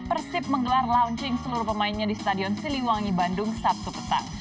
persib menggelar launching seluruh pemainnya di stadion siliwangi bandung sabtu petang